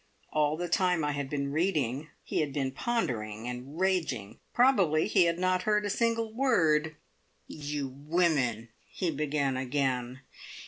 All the time I had been reading, he had been pondering and raging. Probably he had not heard a single word. "You women," he began again.